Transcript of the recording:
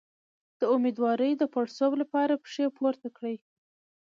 د امیدوارۍ د پړسوب لپاره پښې پورته کړئ